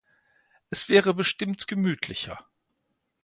Es wäre bestimmt gemütlicher.